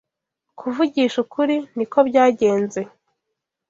Kuvugisha ukuri, niko byagenze.